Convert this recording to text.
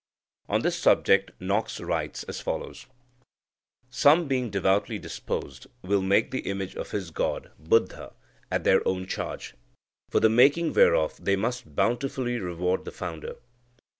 On this subject, Knox writes as follows : "Some, being devoutly disposed, will make the image of this god (Buddha) at their own charge. For the making whereof they must bountifully reward the Founder.